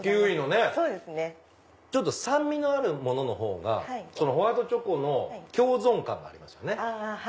へぇちょっと酸味のあるもののほうがホワイトチョコの共存感がありますよね。